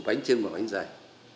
bánh chưng và bánh dày